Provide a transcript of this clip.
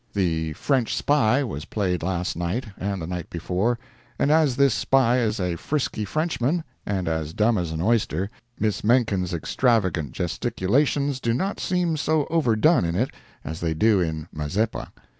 The '"French Spy" was played last night and the night before, and as this spy is a frisky Frenchman, and as dumb as an oyster, Miss Menken's extravagant gesticulations do not seem so overdone in it as they do in "Mazeppa."